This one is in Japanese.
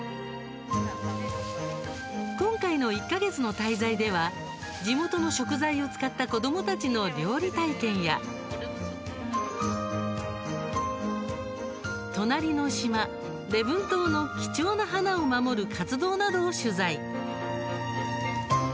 今回の１か月の滞在では地元の食材を使った子どもたちの料理体験や隣の島、礼文島の貴重な花を守る活動などを取材。